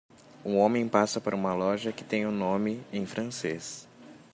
Um homem passa por uma loja que tem um nome em francês.